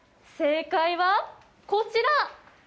正解は、こちら。